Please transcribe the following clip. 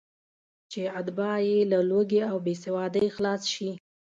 چې اتباع یې له لوږې او بېسوادۍ خلاص شي.